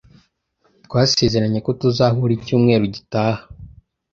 Twasezeranye ko tuzahura icyumweru gitaha.